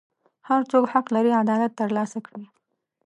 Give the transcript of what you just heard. هر څوک حق لري عدالت ترلاسه کړي.